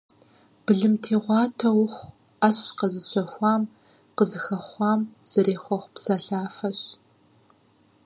Былымтегъуатэ ухъу - Ӏэщ къэзыщэхуам, къызыхэхъуам зэрехъуэхъу псэлъафэщ.